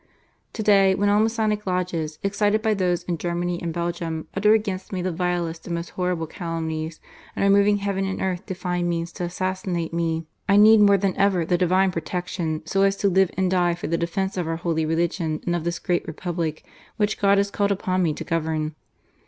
"To day, when all the Masonic lodges, excited by those in Germany and Belgium, utter against me the vilest and most horrible calumnies, and are moving heaven and earth to find means to assassinate me, I need more than ever the Divine protection, so as to live and die for the defence of our holy religion and of this dear Republic which God has called upon me to govern.